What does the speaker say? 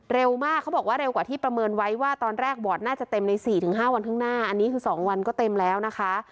เร็วมากเขาบอกว่าเร็วกว่าที่ประเมินไว้ว่าตอนแรกบอร์ดน่าจะเต็มใน๔๕วันข้างหน้าอันนี้คือ๒วันก็เต็มแล้วนะคะ